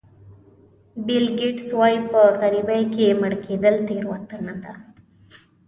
بیل ګېټس وایي په غریبۍ کې مړ کېدل تېروتنه ده.